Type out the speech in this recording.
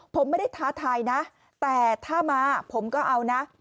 ผมไม่ได้ท้าทายนะแต่ถ้ามาผมก็เอานะ